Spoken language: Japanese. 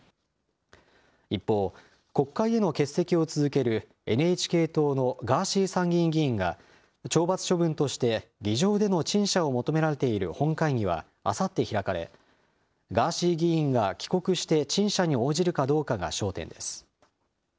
一方、国会への欠席を続けるＮＨＫ党のガーシー参議院議員が、懲罰処分として議場での陳謝を求められている本会議はあさって開かれ、ガーシー議員が帰国して陳謝に応じるかどうかが焦点です。